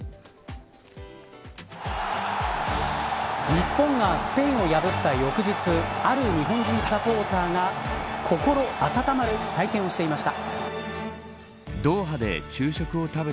日本がスペインを破った翌日ある日本人サポーターが心温まる体験をしていました。